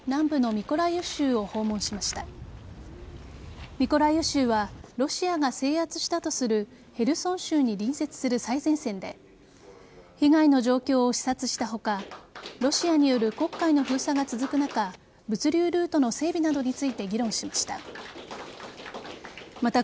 ミコライウ州はロシアが制圧したとするヘルソン州に隣接する最前線で被害の状況を視察した他ロシアによる黒海の封鎖が続く中物流ルートの整備などについて議論しました。